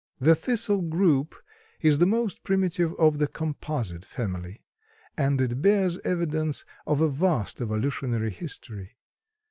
The Thistle group is the most primitive of the Composite family, and it bears evidence of a vast evolutionary history.